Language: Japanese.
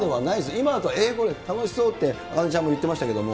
今映像見ると、えー、楽しそうって茜ちゃんも言ってましたけど。